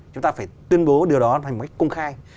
chúng ta phải tuyên bố điều đó thành một cách công khai